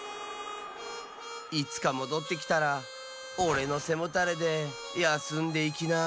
いつかもどってきたらおれのせもたれでやすんでいきな。